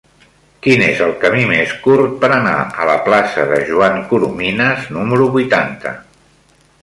Quin és el camí més curt per anar a la plaça de Joan Coromines número vuitanta?